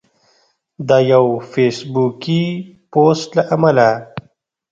د یو فیسبوکي پوسټ له امله